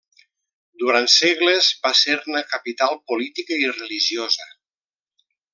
Durant segles va ser-ne capital política i religiosa.